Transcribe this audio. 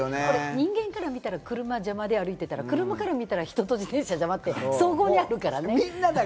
人間から見たら車は邪魔で、車から見たら人と自転車は邪魔でって、相互にあるからね。